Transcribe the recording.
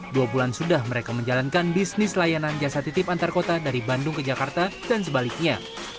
dua bulan sudah mereka menjalankan bisnis layanan jasa titip antar kota dari bandung ke jakarta dan sebaliknya